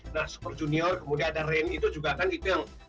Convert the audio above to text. nah super junior kemudian ada rain itu juga kan itu yang